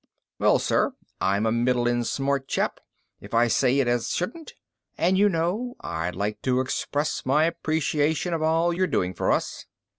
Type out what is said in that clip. "Well, sir, I'm a middling smart chap, if I say it as shouldn't. And you know, I'd like to express my appreciation of all you're doing for us."